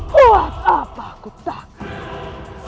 buat apa aku takut